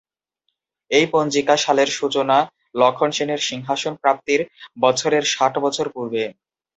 এই পঞ্জিকা সালের সূচনা লক্ষ্মণ সেনের সিংহাসন প্রাপ্তির বছরের ষাট বছর পূর্বে।